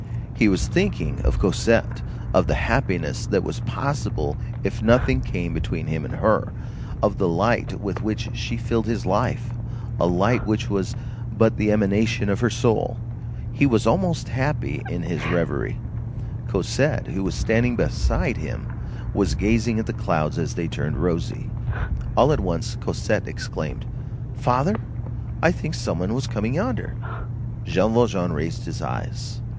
He was thinking of Cosette, of the happiness that was possible if nothing came between him and her, of the light with which she filled his life, a light which was but the emanation of her soul. He was almost happy in his reverie. Cosette, who was standing beside him, was gazing at the clouds as they turned rosy. All at once Cosette exclaimed: "Father, I should think some one was coming yonder." Jean Valjean raised his eyes.